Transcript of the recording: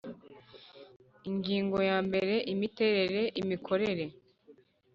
Ingingo ya mbere Imiterere imikorere